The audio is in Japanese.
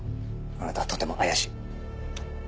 あなたはとても怪しい。